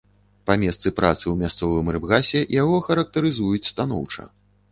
Па месцы працы, у мясцовым рыбгасе, яго характарызуюць станоўча.